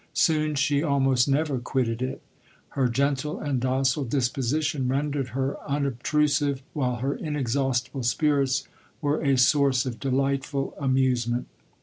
Soon, she almost never quitted it. Her gentle and docile disposition rendered her unobtrusive, while her inexhaustible spirits were a source of delightful amusement.